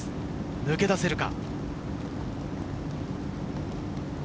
抜け出せるか。